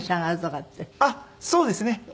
あっそうですね。